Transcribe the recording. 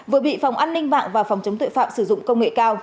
vừa bị phòng an ninh mạng và phòng chống tội phạm sử dụng công nghệ cao